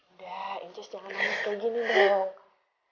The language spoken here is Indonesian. udah inces jangan nangis kayak gini mir ya